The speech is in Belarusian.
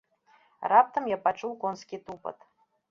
Раптам я пачуў конскі тупат.